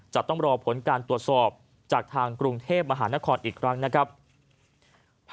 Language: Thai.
จะต้องรอผลการตรวจสอบจากทางกรุงเทพมหานครอีกครั้งนะครับ